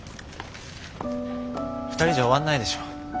２人じゃ終わんないでしょ。